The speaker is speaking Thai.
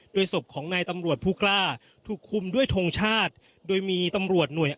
โดยศพของนายตำรวจผู้กล้าถูกคุมด้วยทงชาติโดยมีตำรวจหน่วย